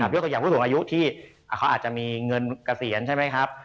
ด้วยตัวอย่างผู้สูงอายุที่เขาอาจจะมีเงินเกษียณใช่ไหมครับ